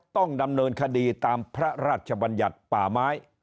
ต้องดำเนินคดีตามพระราชบัญญัติป่าไม้